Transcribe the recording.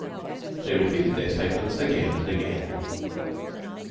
They repeated their statements again and again.